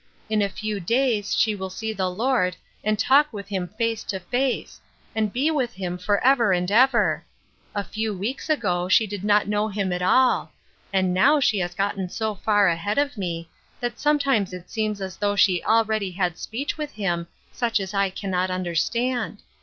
" In a few days she will see the Lord, and talk with Him face to face ; and be with Him forever and ever ! A few weeks ago she did not know Him at all ; and now she has gotten so far ahead of me, that sometimes it almost seems as though she already had speech with Him such as I cannot understand.